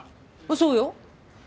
そうよ。